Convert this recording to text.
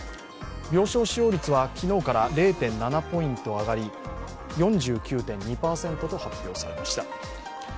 病床使用率は昨日から０．７ポイント上がり４９．２％と発表されました。